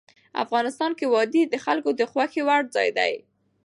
افغانستان کې وادي د خلکو د خوښې وړ ځای دی.